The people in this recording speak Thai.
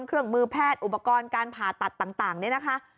เครื่องมือแพทย์อุปกรณ์การผ่าตัดต่างเนี่ยนะคะ